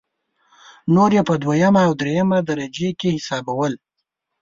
نور یې په دویمه او درېمه درجه کې حسابول.